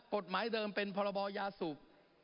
กฎหมายเดิมเป็นพรบยาสูบ